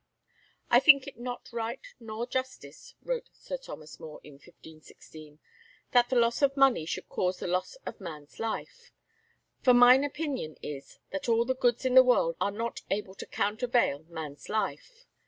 "I think it not right nor justice," wrote Sir Thomas More in 1516, "that the loss of money should cause the loss of man's life; for mine opinion is that all the goods in the world are not able to countervail man's life."